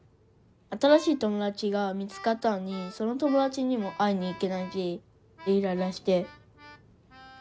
新しい友達が見つかったのにその友達にも会いに行けないしでイライラして。